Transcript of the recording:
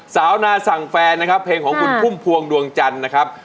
สาวนาสั่งแฟนนะครับเพลงของคุณพุ่มพวงดวงจันทร์นะครับ